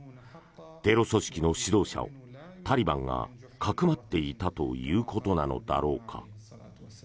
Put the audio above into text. テロ組織の指導者をタリバンがかくまっていたということなのだろうか。